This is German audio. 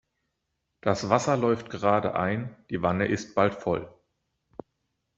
Das Wasser läuft gerade ein, die Wanne ist bald voll.